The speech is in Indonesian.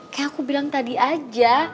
kayak aku bilang tadi aja